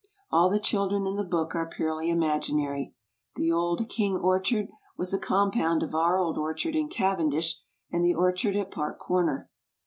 All the children in the book are purely imaginary. The old "King Orchard" was a compound of our old orchard in Cavendish and the orchard at Park Comer.